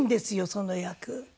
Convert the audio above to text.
その役。